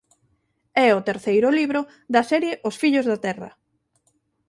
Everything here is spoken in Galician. É o terceiro libro da serie "Os fillos da terra".